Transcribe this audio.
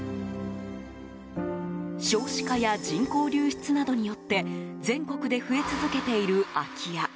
少子化や人口流出などによって全国で増え続けている空き家。